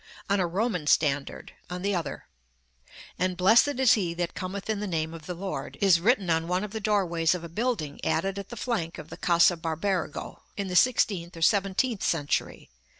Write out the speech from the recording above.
on a Roman standard, on the other; and "Blessed is he that cometh in the name of the Lord," is written on one of the doorways of a building added at the flank of the Casa Barbarigo, in the sixteenth or seventeenth century.